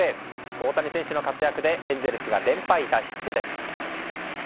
大谷選手の活躍でエンゼルスが連敗脱出です。